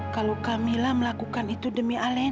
kalau kamila melakukan itu dengan baik